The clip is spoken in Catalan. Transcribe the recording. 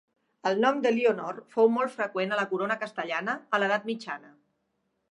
El nom d'Elionor fou molt freqüent a la Corona castellana a l'Edat Mitjana.